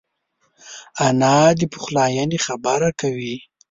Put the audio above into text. انا د پخلاینې خبره کوي